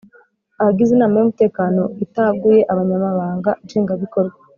Abagize inama y umutekano itaguye abanyamabanga nshingwabikorwa